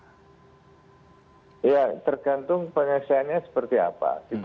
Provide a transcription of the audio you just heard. ya tergantung penyelesaiannya seperti apa